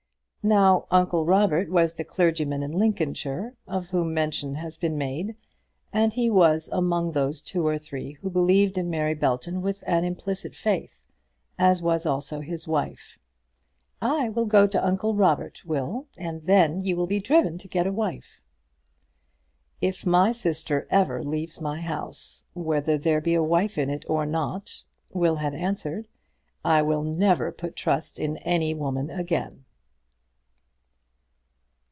Now uncle Robert was the clergyman in Lincolnshire of whom mention has been made, and he was among those two or three who believed in Mary Belton with an implicit faith, as was also his wife. "I will go to uncle Robert, Will, and then you will be driven to get a wife." "If my sister ever leaves my house, whether there be a wife in it or not," Will had answered, "I will never put trust in any woman again."